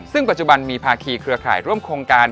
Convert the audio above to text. ซึ่งปัจจุบันมีภาคีเครือข่ายร่วมโครงการ